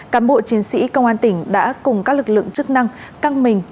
cán bộ chiến sĩ công an tỉnh đã cùng các lực lượng chức năng căng mình